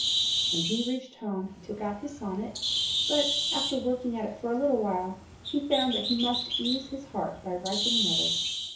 When he reached home, he took out his sonnet, but, after working at it for a little while, he found that he must ease his heart by writing another.